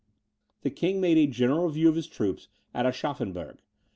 The king made a general review of his troops at Aschaffenburg.